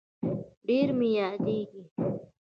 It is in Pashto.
ډير مي ياديږي